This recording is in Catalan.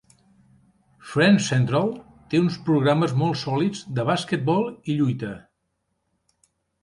Friends' Central té uns programes molt sòlids de basquetbol i lluita.